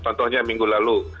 contohnya minggu lalu